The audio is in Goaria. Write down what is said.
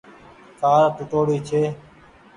ڪآر ٽوُٽوڙي ڇي۔